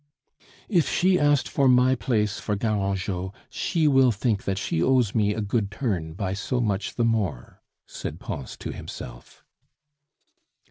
"If she asked for my place for Garangeot, she will think that she owes me a good turn by so much the more," said Pons to himself.